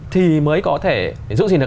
thì mới có thể giữ gìn được